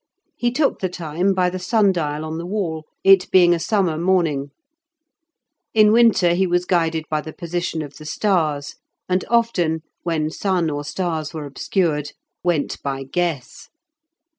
He took the time by the sundial on the wall, it being a summer morning; in winter he was guided by the position of the stars, and often, when sun or stars were obscured, went by guess.